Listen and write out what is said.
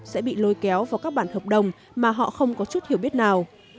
sẽ bị lôi kéo vào các bản hợp đồng mà họ không có chút hiểu biết nào